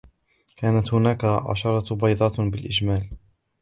كانت هناك عشرة بيضات بالإجمال.